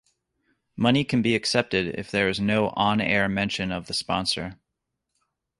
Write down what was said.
Money can be accepted if there is no on-air mention of the sponsor.